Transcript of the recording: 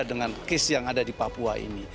dengan kes yang ada di papua ini